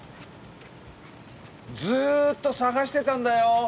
ずっと捜してたんだよ！